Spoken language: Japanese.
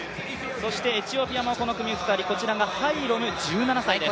そしてエチオピアもこの組２人、こちらがハイロム１７歳です。